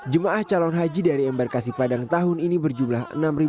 jum'ah calon haji dari embarkasi padang tahun ini berjumlah enam tiga ratus empat puluh sembilan